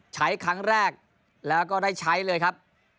ใช้ครั้งแรกแล้วก็ได้ใช้เลยครับ